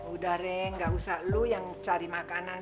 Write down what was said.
udah reng nggak usah lu yang cari makanan